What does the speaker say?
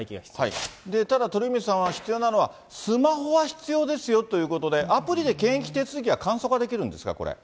で、ただ鳥海さんは、必要なのは、スマホは必要ですよということで、アプリで検疫手続きが簡素化できるんですか、これ。